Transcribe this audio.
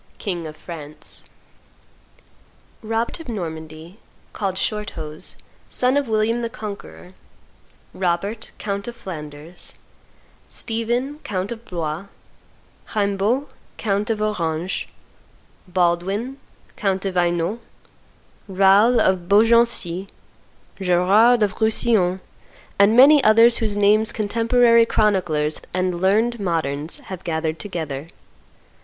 king of France; Robert of Normandy, called Shorthose, son of William the Conqueror; Robert, count of Flanders; Stephen, count of Blois; Raimbault, count of Orange; Baldwin, count of Hainault; Raoul of Beaugency; Gerard of Roussillon, and many others whose names contemporary chroniclers and learned moderns have gathered together.